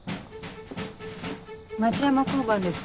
町山交番です。